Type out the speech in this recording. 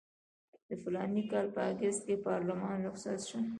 د فلاني کال په اګست کې پارلمان رخصت شو.